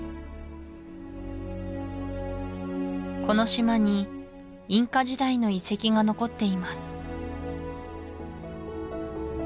この島にインカ時代の遺跡が残っています